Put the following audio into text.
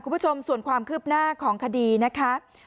คุณผู้ชมส่วนความคืบหน้าของคดีนะคะ